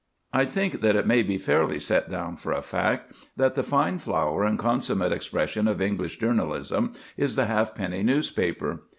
I think that it may be fairly set down for a fact that the fine flower and consummate expression of English journalism is the halfpenny newspaper.